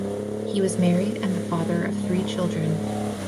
He was married and the father of three children.